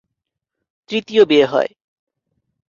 তৃতীয় বিয়ে হয়।